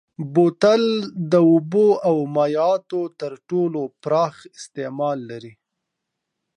بوتل د اوبو او مایعاتو تر ټولو پراخ استعمال لري.